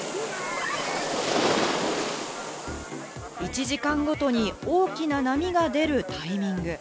１時間ごとに大きな波が出るタイミング。